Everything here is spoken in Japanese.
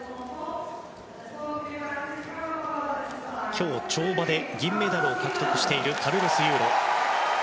今日、跳馬で銀メダルを獲得しているカルロス・ユーロ。